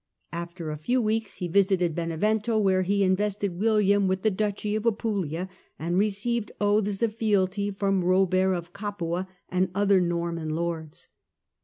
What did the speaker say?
After a few weeks he visited Benevento, where he invested William with the duchy of Apulia, and received oaths of fealty from Robert of Capua and other Norman lords.